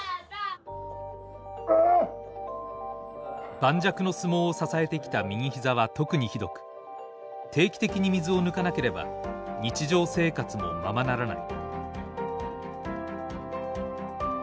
盤石の相撲を支えてきた右膝は特にひどく定期的に水を抜かなければ日常生活もままならない。